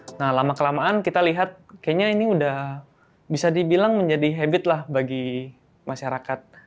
hai nah lama kelamaan kita lihat kayaknya ini udah bisa dibilang menjadi habit lah bagi masyarakat